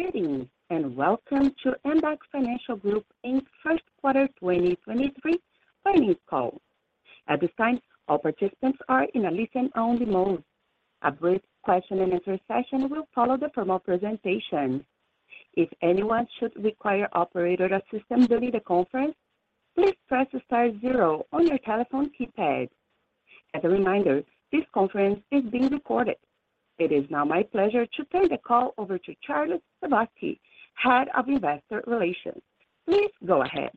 Greetings, welcome to Ambac Financial Group in first quarter 2023 earnings call. At this time, all participants are in a listen-only mode. A brief question and answer session will follow the formal presentation. If anyone should require operator assistance during the conference, please press star zero on your telephone keypad. As a reminder, this conference is being recorded. It is now my pleasure to turn the call over to Charles Sebaski, Head of Investor Relations. Please go ahead.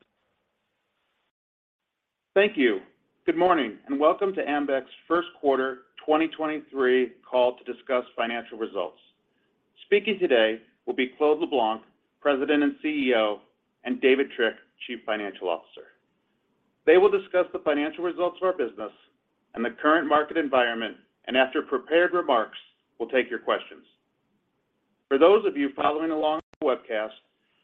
Thank you. Good morning, and welcome to Ambac's first quarter 2023 call to discuss financial results. Speaking today will be Claude LeBlanc, President and CEO, and David Trick, Chief Financial Officer. They will discuss the financial results of our business and the current market environment. After prepared remarks, we'll take your questions. For those of you following along on the webcast,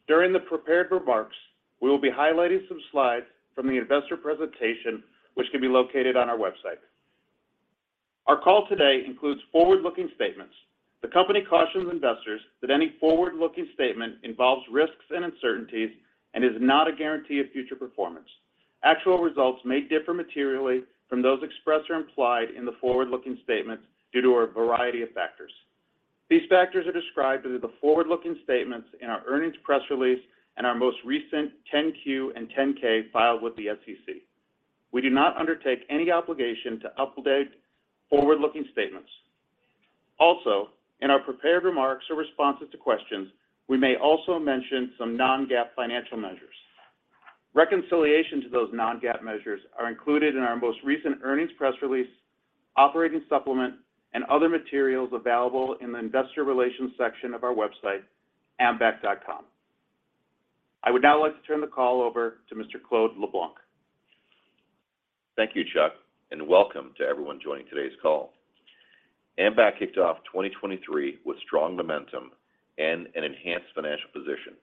during the prepared remarks, we will be highlighting some slides from the investor presentation which can be located on our website. Our call today includes forward-looking statements. The company cautions investors that any forward-looking statement involves risks and uncertainties and is not a guarantee of future performance. Actual results may differ materially from those expressed or implied in the forward-looking statements due to a variety of factors. These factors are described under the forward-looking statements in our earnings press release and our most recent 10-Q and 10-K filed with the SEC. We do not undertake any obligation to update forward-looking statements. In our prepared remarks or responses to questions, we may also mention some non-GAAP financial measures. Reconciliation to those non-GAAP measures are included in our most recent earnings press release, operating supplement, and other materials available in the investor relations section of our website, ambac.com. I would now like to turn the call over to Mr. Claude LeBlanc. Thank you, Chuck. Welcome to everyone joining today's call. Ambac kicked off 2023 with strong momentum and an enhanced financial position,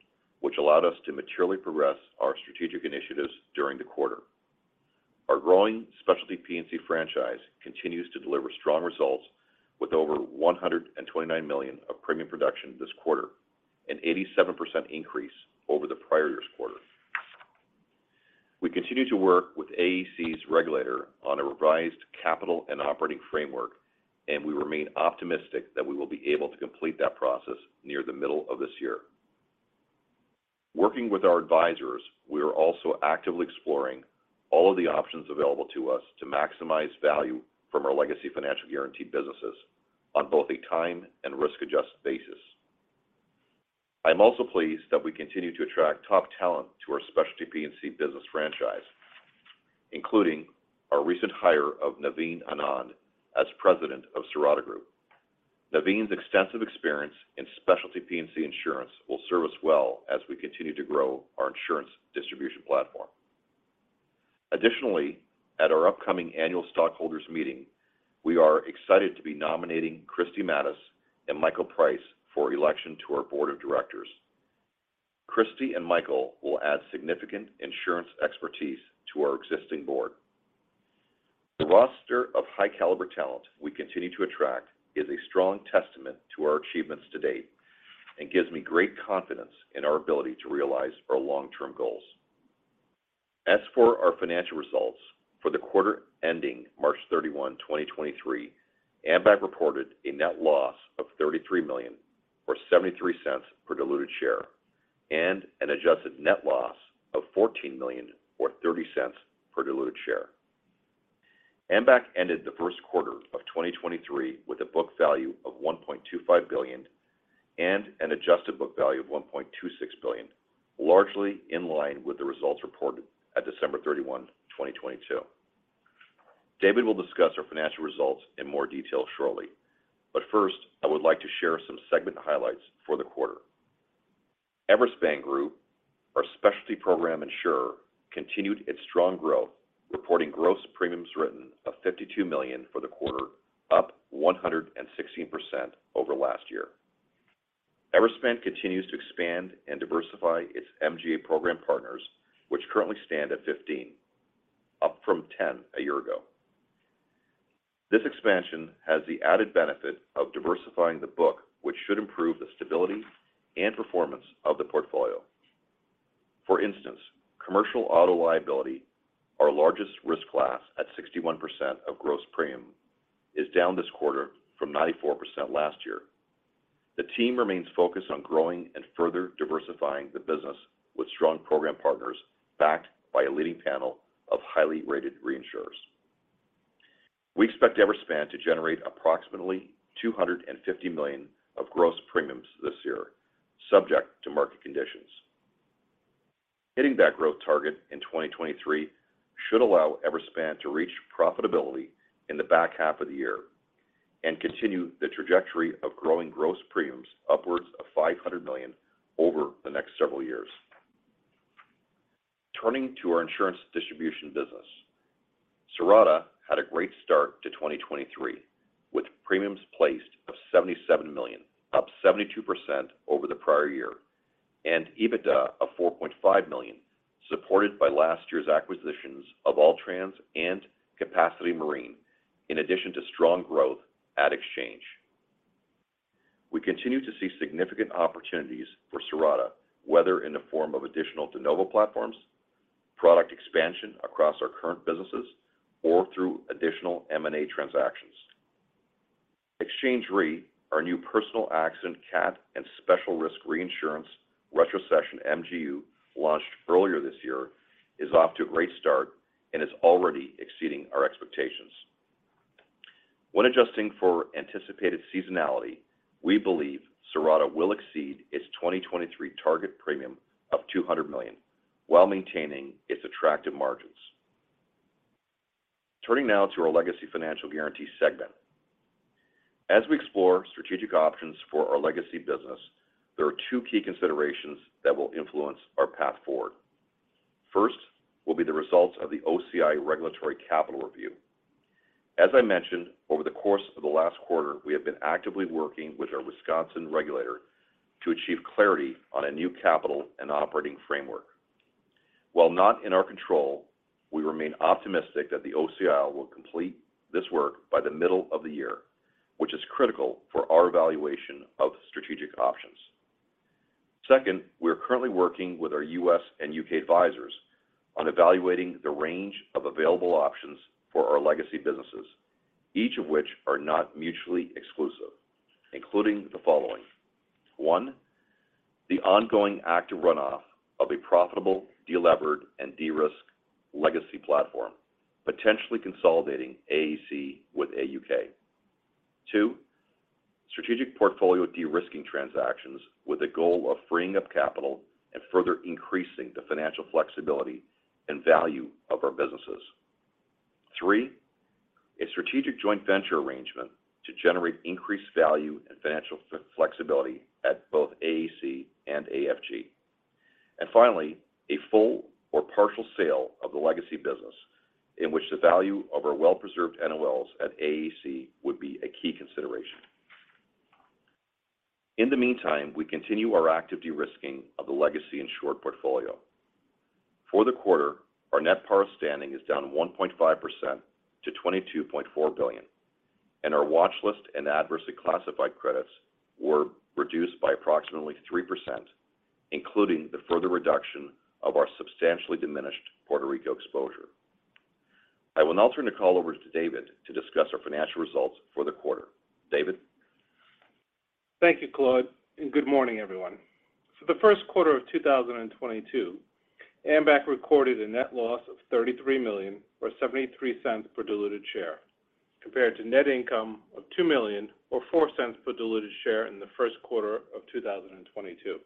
which allowed us to materially progress our strategic initiatives during the quarter. Our growing specialty P&C franchise continues to deliver strong results with over $129 million of premium production this quarter, an 87% increase over the prior year's quarter. We continue to work with AAC's regulator on a revised capital and operating framework, and we remain optimistic that we will be able to complete that process near the middle of this year. Working with our advisors, we are also actively exploring all of the options available to us to maximize value from our legacy financial guarantee businesses on both a time and risk-adjusted basis. I'm also pleased that we continue to attract top talent to our specialty P&C business franchise, including our recent hire of Naveen Anand as President of Cirrata Group. Naveen's extensive experience in specialty P&C insurance will serve us well as we continue to grow our insurance distribution platform. Additionally, at our upcoming annual stockholders meeting, we are excited to be nominating Kristi Matus and Michael Price for election to our board of directors. Christy and Michael will add significant insurance expertise to our existing board. The roster of high caliber talent we continue to attract is a strong testament to our achievements to date and gives me great confidence in our ability to realize our long-term goals. As for our financial results for the quarter ending March 31, 2023, Ambac reported a net loss of $33 million or $0.73 per diluted share and an adjusted net loss of $14 million or $0.30 per diluted share. Ambac ended the first quarter of 2023 with a book value of $1.25 billion and an adjusted book value of $1.26 billion, largely in line with the results reported at December 31, 2022. David will discuss our financial results in more detail shortly. First, I would like to share some segment highlights for the quarter. Everspan Group, our specialty program insurer, continued its strong growth, reporting gross premiums written of $52 million for the quarter, up 116% over last year. Everspan continues to expand and diversify its MGA program partners, which currently stand at 15, up from 10 a year ago. This expansion has the added benefit of diversifying the book, which should improve the stability and performance of the portfolio. For instance, commercial auto liability, our largest risk class at 61% of gross premium, is down this quarter from 94% last year. The team remains focused on growing and further diversifying the business with strong program partners backed by a leading panel of highly rated reinsurers. We expect Everspan to generate approximately $250 million of gross premiums this year, subject to market conditions. Hitting that growth target in 2023 should allow Everspan to reach profitability in the back half of the year and continue the trajectory of growing gross premiums upwards of $500 million over the next several years. Turning to our insurance distribution business, Cirrata had a great start to 2023, with premiums placed of $77 million, up 72% over the prior year. EBITDA of $4.5 million, supported by last year's acquisitions of All Trans and Capacity Marine, in addition to strong growth at Xchange. We continue to see significant opportunities for Cirrata, whether in the form of additional de novo platforms, product expansion across our current businesses, or through additional M&A transactions. Xchange Re, our new personal accident CAT and special risk reinsurance retrocession MGU launched earlier this year, is off to a great start and is already exceeding our expectations. When adjusting for anticipated seasonality, we believe Cirrata will exceed its 2023 target premium of $200 million while maintaining its attractive margins. Turning now to our legacy financial guarantee segment. As we explore strategic options for our legacy business, there are two key considerations that will influence our path forward. First will be the results of the OCI regulatory capital review. As I mentioned, over the course of the last quarter, we have been actively working with our Wisconsin regulator to achieve clarity on a new capital and operating framework. While not in our control, we remain optimistic that the OCI will complete this work by the middle of the year, which is critical for our evaluation of strategic options. Second, we are currently working with our U.S. and U.K. advisors on evaluating the range of available options for our legacy businesses, each of which are not mutually exclusive, including the following. One, the ongoing active runoff of a profitable, delevered, and de-risked legacy platform, potentially consolidating AAC with AUK. Two, strategic portfolio de-risking transactions with a goal of freeing up capital and further increasing the financial flexibility and value of our businesses. Three, a strategic joint venture arrangement to generate increased value and financial flexibility at both AAC and AFG. Finally, a full or partial sale of the legacy business in which the value of our well-preserved NOLs at AAC would be a key consideration. In the meantime, we continue our active de-risking of the legacy insured portfolio. For the quarter, our net par standing is down 1.5% to $22.4 billion, and our watchlist and adversely classified credits were reduced by approximately 3%, including the further reduction of our substantially diminished Puerto Rico exposure. I will now turn the call over to David to discuss our financial results for the quarter. David? Thank you, Claude, and good morning, everyone. For the first quarter of 2022, Ambac recorded a net loss of $33 million, or $0.73 per diluted share, compared to net income of $2 million, or $0.04 per diluted share in the first quarter of 2022.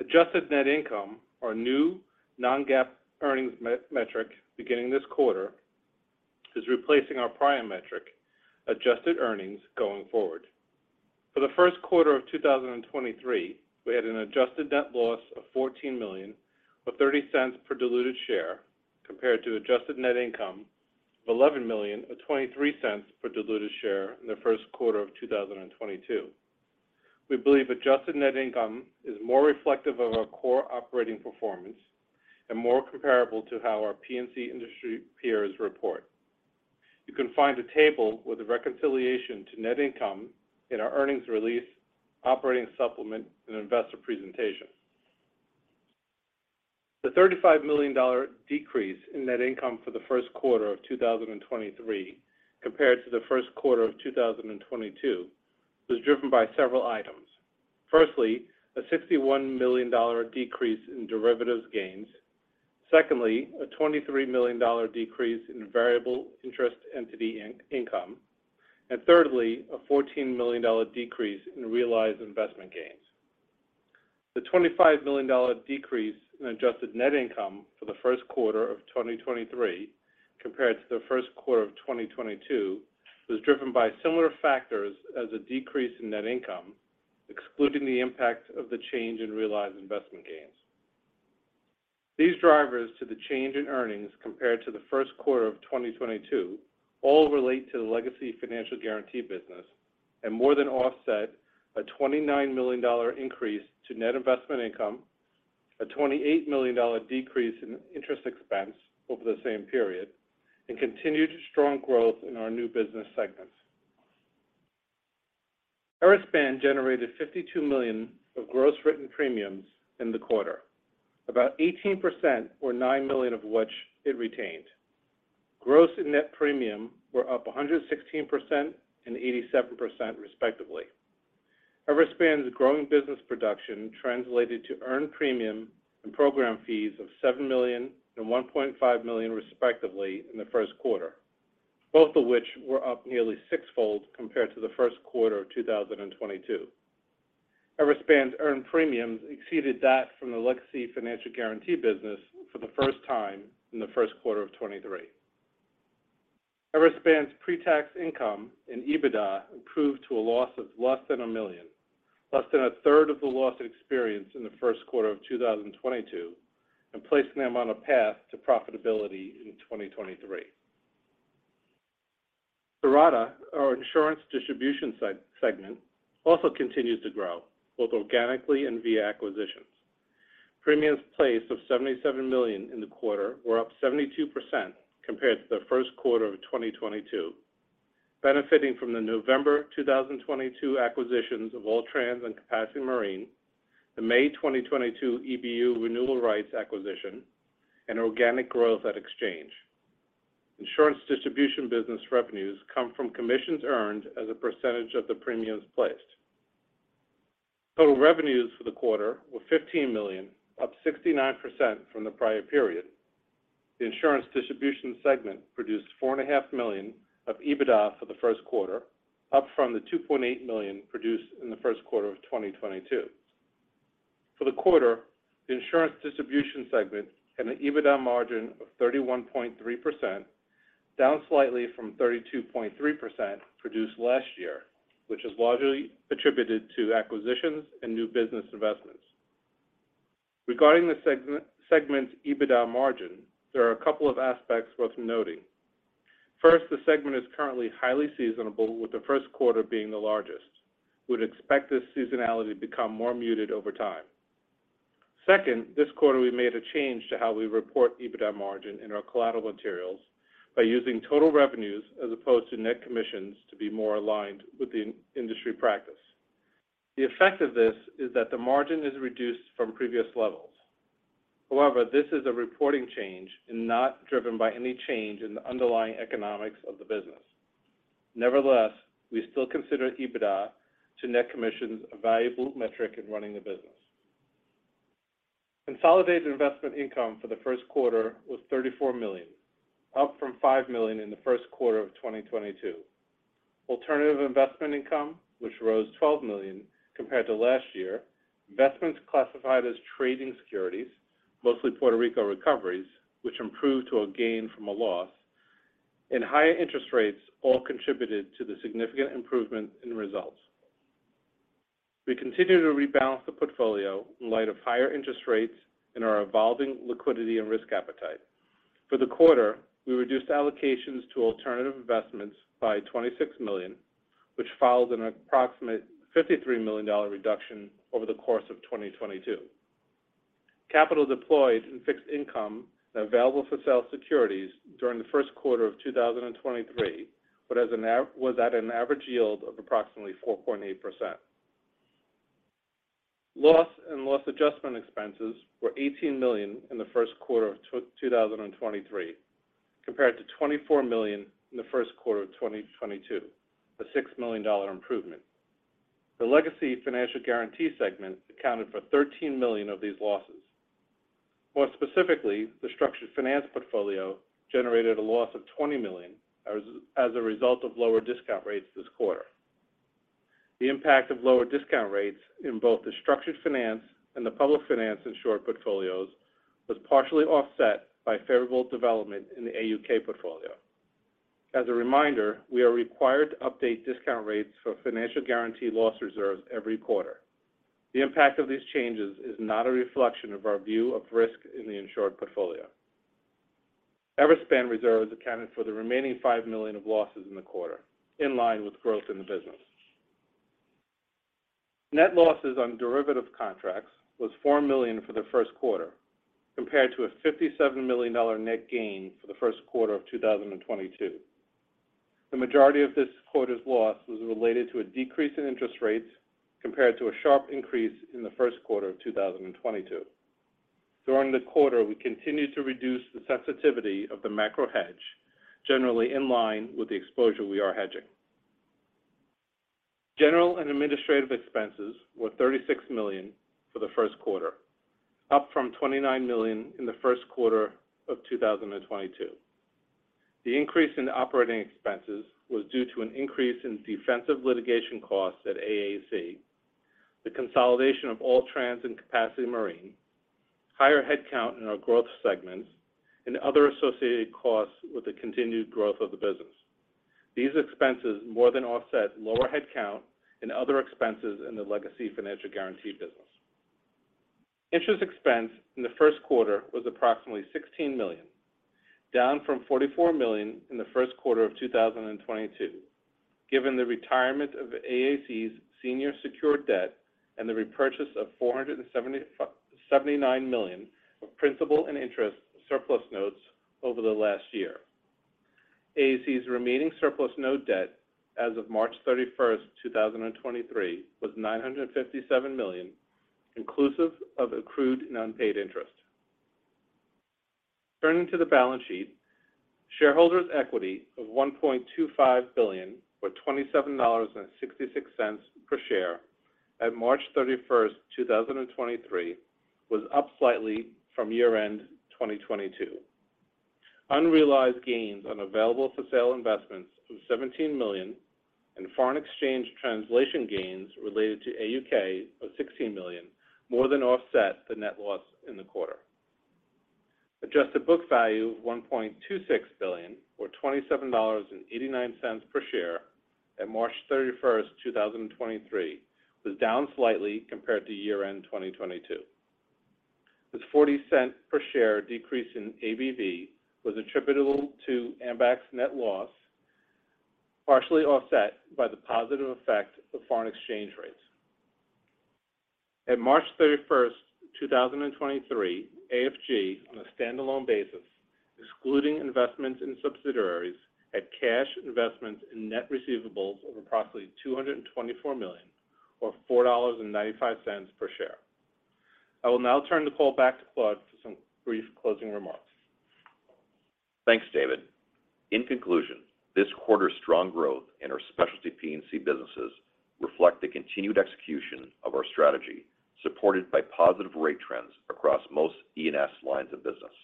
Adjusted net income, our new non-GAAP earnings metric beginning this quarter, is replacing our prior metric, adjusted earnings, going forward. For the first quarter of 2023, we had an adjusted net loss of $14 million, or $0.30 per diluted share, compared to adjusted net income of $11 million, or $0.23 per diluted share in the first quarter of 2022. We believe adjusted net income is more reflective of our core operating performance and more comparable to how our P&C industry peers report. You can find a table with a reconciliation to net income in our earnings release, operating supplement, and investor presentation. The $35 million decrease in net income for the first quarter of 2023 compared to the first quarter of 2022 was driven by several items. Firstly, a $61 million decrease in derivatives gains. Secondly, a $23 million decrease in variable interest entity income. Thirdly, a $14 million decrease in realized investment gains. The $25 million decrease in adjusted net income for the first quarter of 2023 compared to the first quarter of 2022 was driven by similar factors as the decrease in net income, excluding the impact of the change in realized investment gains. These drivers to the change in earnings compared to the first quarter of 2022 all relate to the legacy financial guarantee business and more than offset a $29 million increase to net investment income, a $28 million decrease in interest expense over the same period, and continued strong growth in our new business segments. Everspan generated $52 million of gross written premiums in the quarter, about 18%, or $9 million of which it retained. Gross and net premium were up 116% and 87% respectively. Everspan's growing business production translated to earned premium and program fees of $7 million and $1.5 million respectively in the first quarter, both of which were up nearly sixfold compared to the first quarter of 2022. Everspan's earned premiums exceeded that from the legacy financial guarantee business for the first time in the first quarter of 2023. Everspan's pre-tax income and EBITDA improved to a loss of less than $1 million, less than a third of the loss experienced in the first quarter of 2022, and placing them on a path to profitability in 2023. Cirrata, our insurance distribution segment also continues to grow both organically and via acquisitions. Premiums placed of $77 million in the quarter were up 72% compared to the first quarter of 2022, benefiting from the November 2022 acquisitions of Alltrans and Capacity Marine, the May 2022 EBU renewal rights acquisition, and organic growth at Xchange. Insurance distribution business revenues come from commissions earned as a percentage of the premiums placed. Total revenues for the quarter were $15 million, up 69% from the prior period. The insurance distribution segment produced four and a half million of EBITDA for the first quarter, up from the $2.8 million produced in the first quarter of 2022. For the quarter, the insurance distribution segment had an EBITDA margin of 31.3%, down slightly from 32.3% produced last year, which is largely attributed to acquisitions and new business investments. Regarding the segment's EBITDA margin, there are a couple of aspects worth noting. First, the segment is currently highly seasonal, with the first quarter being the largest. We'd expect this seasonality to become more muted over time. This quarter we made a change to how we report EBITDA margin in our collateral materials by using total revenues as opposed to net commissions to be more aligned with the industry practice. The effect of this is that the margin is reduced from previous levels. This is a reporting change and not driven by any change in the underlying economics of the business. We still consider EBITDA to net commissions a valuable metric in running the business. Consolidated investment income for the first quarter was $34 million, up from $5 million in the first quarter of 2022. Alternative investment income, which rose $12 million compared to last year, investments classified as trading securities, mostly Puerto Rico recoveries, which improved to a gain from a loss, and higher interest rates all contributed to the significant improvement in results. We continue to rebalance the portfolio in light of higher interest rates and our evolving liquidity and risk appetite. For the quarter, we reduced allocations to alternative investments by $26 million, which follows an approximate $53 million reduction over the course of 2022. Capital deployed in fixed income and available-for-sale securities during the first quarter of 2023 was at an average yield of approximately 4.8%. Loss and loss adjustment expenses were $18 million in the first quarter of 2023, compared to $24 million in the first quarter of 2022, a $6 million improvement. The legacy financial guarantee segment accounted for $13 million of these losses. More specifically, the structured finance portfolio generated a loss of $20 million as a result of lower discount rates this quarter. The impact of lower discount rates in both the structured finance and the public finance insured portfolios was partially offset by favorable development in the AUK portfolio. As a reminder, we are required to update discount rates for financial guarantee loss reserves every quarter. The impact of these changes is not a reflection of our view of risk in the insured portfolio. Everspan reserves accounted for the remaining $5 million of losses in the quarter, in line with growth in the business. Net losses on derivative contracts was $4 million for the first quarter, compared to a $57 million net gain for the first quarter of 2022. The majority of this quarter's loss was related to a decrease in interest rates compared to a sharp increase in the first quarter of 2022. During the quarter, we continued to reduce the sensitivity of the macro hedge, generally in line with the exposure we are hedging. General and administrative expenses were $36 million for the first quarter, up from $29 million in the first quarter of 2022. The increase in operating expenses was due to an increase in defensive litigation costs at AAC, the consolidation of All Trans and Capacity Marine, higher headcount in our growth segments, and other associated costs with the continued growth of the business. These expenses more than offset lower headcount and other expenses in the legacy financial guarantee business. Interest expense in the first quarter was approximately $16 million, down from $44 million in the first quarter of 2022, given the retirement of AAC's senior secured debt and the repurchase of $479 million of principal and interest surplus notes over the last year. AAC's remaining surplus note debt as of March 31st, 2023 was $957 million, inclusive of accrued and unpaid interest. Turning to the balance sheet, shareholders' equity of $1.25 billion, or $27.66 per share at March 31st, 2023 was up slightly from year-end 2022. Unrealized gains on available-for-sale investments of $17 million and foreign exchange translation gains related to AUK of $16 million more than offset the net loss in the quarter. Adjusted book value of $1.26 billion, or $27.89 per share at March 31, 2023, was down slightly compared to year-end 2022. This $0.40 per share decrease in ABV was attributable to Ambac's net loss, partially offset by the positive effect of foreign exchange rates. At March 31, 2023, AFG, on a standalone basis, excluding investments in subsidiaries, had cash investments in net receivables of approximately $224 million or $4.95 per share. I will now turn the call back to Claude for some brief closing remarks. Thanks, David. In conclusion, this quarter's strong growth in our specialty P&C businesses reflect the continued execution of our strategy, supported by positive rate trends across most E&S lines of business.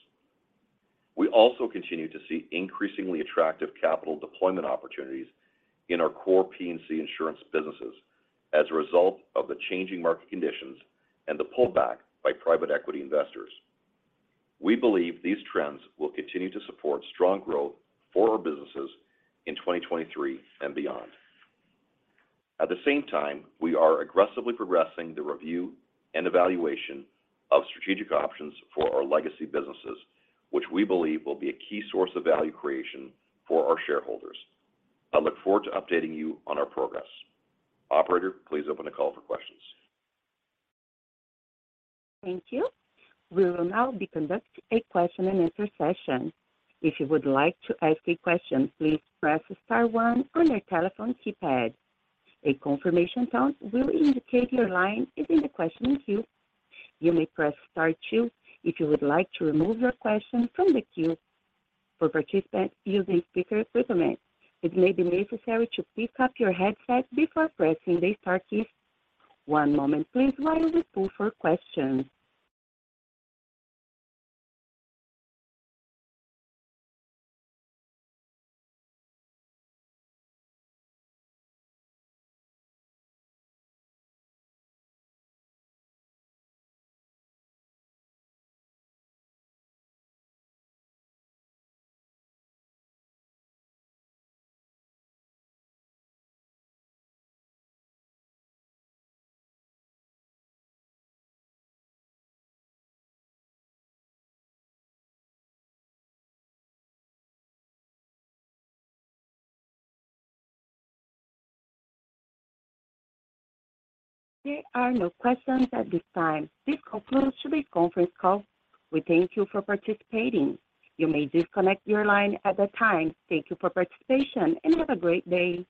We also continue to see increasingly attractive capital deployment opportunities in our core P&C insurance businesses as a result of the changing market conditions and the pullback by private equity investors. We believe these trends will continue to support strong growth for our businesses in 2023 and beyond. At the same time, we are aggressively progressing the review and evaluation of strategic options for our legacy businesses, which we believe will be a key source of value creation for our shareholders. I look forward to updating you on our progress. Operator, please open the call for questions. Thank you. We will now be conducting a question and answer session. If you would like to ask a question, please press star one on your telephone keypad. A confirmation tone will indicate your line is in the questioning queue. You may press star two if you would like to remove your question from the queue. For participants using speaker equipment, it may be necessary to pick up your headset before pressing the star key. One moment please while we pull for questions. There are no questions at this time. This concludes today's conference call. We thank you for participating. You may disconnect your line at that time. Thank you for participation, and have a great day.